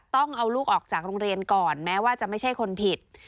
ต้องเอาลูกออกจากโรงเรียนก่อนแม้ว่าจะไม่ใช่คนผิด